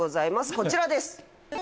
こちらです。